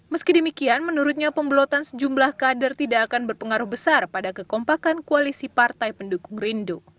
meski demikian menurutnya pembelotan sejumlah kader tidak akan berpengaruh besar pada kekompakan koalisi partai pendukung rindu